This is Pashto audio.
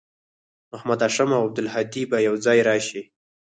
محمد هاشم او عبدالهادي به یوځای راشي